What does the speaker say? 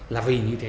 là vì như thế